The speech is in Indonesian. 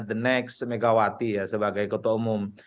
the next megawati ya sebagai ketua umum